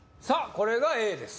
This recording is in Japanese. これがＡです